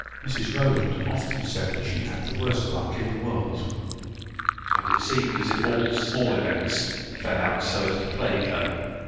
Mrs Rowland often said that she had the worst luck in the world; and it seemed as if all small events fell out so as to plague her.